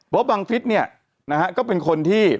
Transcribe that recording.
เพราะบังฤษเนี่ยนะครับก็เป็นคนที่